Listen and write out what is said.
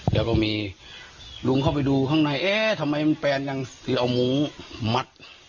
แล้วก็มีลุงเข้าไปดูข้างในเอ๊ะทำไมแฟนยังคือเอามุ้งมัด